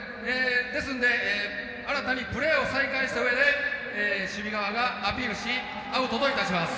ですので新たにプレーを再開したうえで守備側がアピールしアウトといたします。